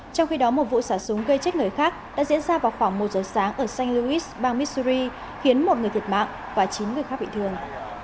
trong khi đó một vụ xả súng gây chết người khác đã diễn ra vào khoảng một giờ sáng ở sanh lewis bang mitsuri khiến một người thiệt mạng và chín người khác bị thương